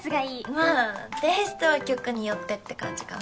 まあテイストは曲によってって感じかな。